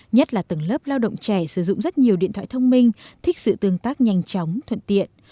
nhất là tầng lớp lao động trẻ sử dụng rất nhiều điện thoại thông minh thích sự tương tác nhanh chóng thuận tiện